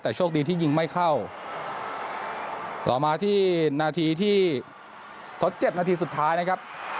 แต่โชคดีที่ยิงไม่เข้าต่อมาที่นาทีที่ทดเจ็บนาทีสุดท้ายนะครับ